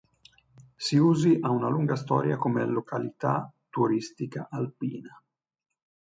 Siusi ha una lunga storia come località turistica alpina.